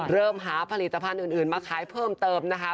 เริ่มหาผลิตภัณฑ์อื่นมาขายเพิ่มเติมนะคะ